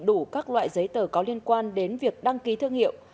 đủ các loại giấy tờ có liên quan đến việc đăng ký thương hiệu